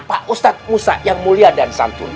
pak ustadz musa yang mulia dan santun